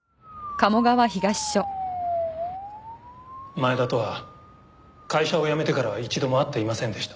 前田とは会社を辞めてからは一度も会っていませんでした。